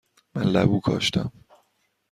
من لبو کاشتم.